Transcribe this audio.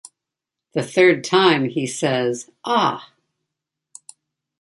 The third time, he says Ah!